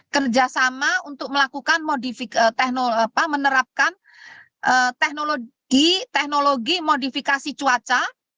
kerjasama untuk melakukan menerapkan teknologi teknologi modifikasi cuaca